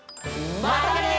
またね！